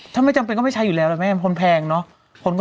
ถ้าไม่จำเป็นก็ไม่ใช้อยู่แล้วล่ะแม่คนแพงเนอะ